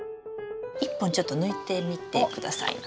１本ちょっと抜いてみてくださいな。